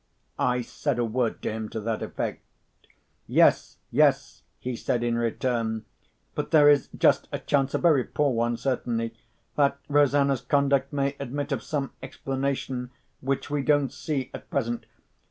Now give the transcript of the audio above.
I said a word to him to that effect. "Yes, yes!" he said in return. "But there is just a chance—a very poor one, certainly—that Rosanna's conduct may admit of some explanation which we don't see at present.